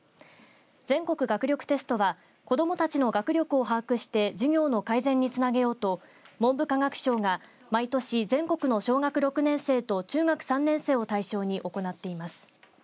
全国学力テストは子どもたちの学力を把握して授業の改善につなげようと文部科学省が毎年全国の小学６年生と中学３年生を対象に行っています。